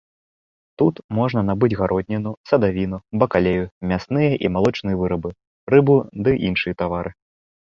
Тут можна набыць гародніну, садавіну, бакалею, мясныя і малочныя вырабы, рыбу ды іншыя тавары.